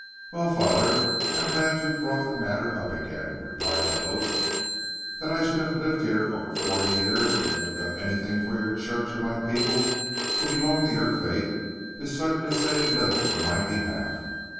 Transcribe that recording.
"Well, Father, I'm glad you've brought the matter up again," replied the host. "That I should have lived here over forty years and never done anything for your church or my people who belong to your faith, is certainly saying little in my behalf.